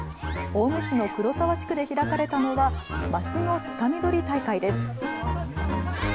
青梅市の黒沢地区で開かれたのはマスのつかみ取り大会です。